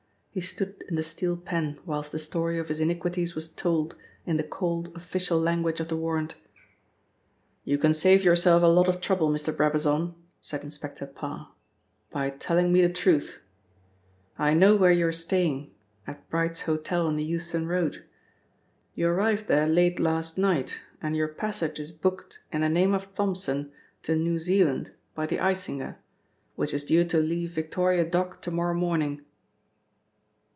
He stood in the steel pen whilst the story of his iniquities was told in the cold, official language of the warrant. "You can save yourself a lot of trouble, Mr. Brabazon," said Inspector Parr, "by telling me the truth. I know where you are staying at Bright's Hotel in the Euston Road. You arrived there late last night and your passage is booked in the name of Thomson to New Zealand by the Icinga, which is due to leave Victoria Dock to morrow morning."